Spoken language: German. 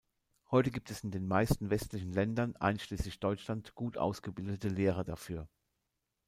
Heute gibt es in den meisten westlichen Ländern, einschließlich Deutschland, gut ausgebildete Lehrer dafür.